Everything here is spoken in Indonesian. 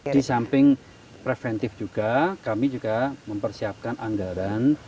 di samping preventif juga kami juga mempersiapkan anggaran